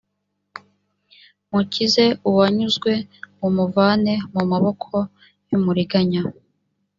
mukize uwanyazwe mumuvane mu maboko y umuriganya